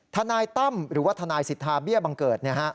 ทนายตั้มหรือว่าทนายสิทธาเบี้ยบังเกิด